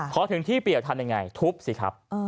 เพราะถึงที่เปรียบทันยังไงทุบสิครับ